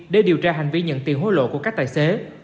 để điều tra hành vi nhận tiền hối lộ của các tài xế